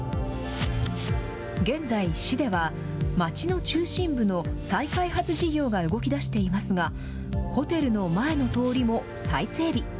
現在、市では町の中心部の再開発事業が動きだしていますが、ホテルの前の通りも再整備。